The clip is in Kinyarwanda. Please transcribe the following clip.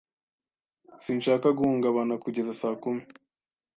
Sinshaka guhungabana kugeza saa kumi.